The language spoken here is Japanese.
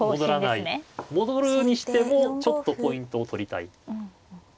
戻るにしてもちょっとポイントを取りたい。